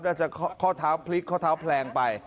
จะข้อเท้าพลิกข้อเท้าแพลงไป